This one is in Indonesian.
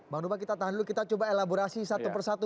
bang lupa kita coba elaborasi satu persatu